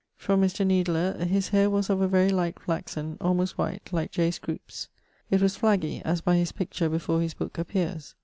From Mr. Needler: his haire was of a very light flaxen, almost white (like J. Scroope's). It was flaggy, as by his picture before his booke appeares.